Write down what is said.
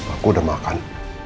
aku udah makan